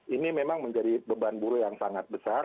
ini memang menjadi beban buruh yang sangat besar